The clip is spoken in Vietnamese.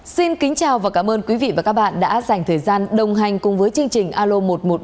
xin kính chào và cảm ơn quý vị và các bạn đã dành thời gian đồng hành cùng với chương trình alo một trăm một mươi ba